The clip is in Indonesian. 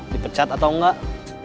dipecat atau enggak